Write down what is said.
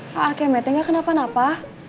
pak ake meetingnya kenapa napa